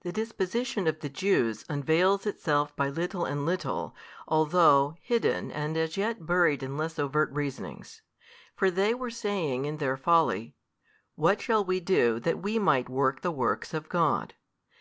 The disposition of the Jews unveils itself by little and little, although, hidden and as yet buried in less overt reasonings. For they were saying in their folly, What shall we do that we might work the works of God?